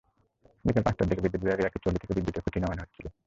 বিকেল পাঁচটার দিকে বিদ্যুৎ বিভাগের একটি ট্রলি থেকে বিদ্যুতের খুঁটি নামানো হচ্ছিল।